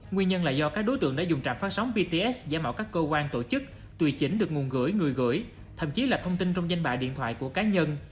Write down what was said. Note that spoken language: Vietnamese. nguyên nhân là do các đối tượng đã dùng trạm phát sóng bts giả mạo các cơ quan tổ chức tùy chỉnh được nguồn gửi người gửi thậm chí là thông tin trong danh bạ điện thoại của cá nhân